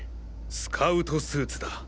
スカウトスーツだ！